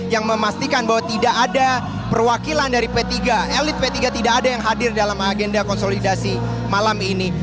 yang memastikan bahwa tidak ada perwakilan dari p tiga elit p tiga tidak ada yang hadir dalam agenda konsolidasi malam ini